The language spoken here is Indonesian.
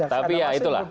tapi ya itulah